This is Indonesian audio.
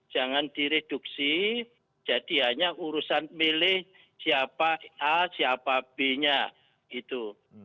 jangan direduksi jadi hanya urusan milih siapa a siapa b nya gitu